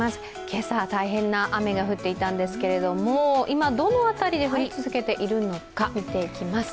今朝、大変な雨が降っていたんですけど、今どの辺りで降り続けているのか見ていきます。